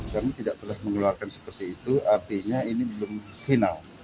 kami tidak pernah mengeluarkan seperti itu artinya ini belum final